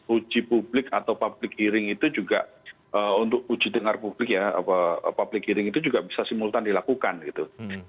uji publik atau public hearing itu juga untuk uji dengar publik ya public hearing itu juga bisa simultan dilakukan gitu